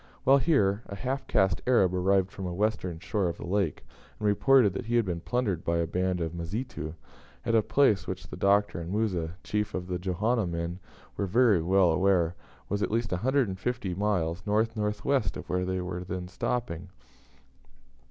While here, a half caste Arab arrived from the western shore of the lake, and reported that he had been plundered by a band of Mazitu, at a place which the Doctor and Musa, chief of the Johanna men, were very well aware was at least 150 miles north north west of where they were then stopping.